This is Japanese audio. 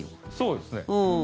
そうですね。